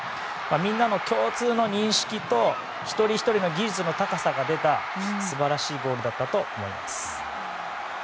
みんなの共通の認識と一人ひとりの技術の高さが出た素晴らしいゴールだったと思います。